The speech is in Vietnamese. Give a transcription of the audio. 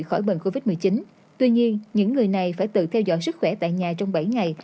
khỏi bệnh covid một mươi chín tuy nhiên những người này phải tự theo dõi sức khỏe tại nhà trong bảy ngày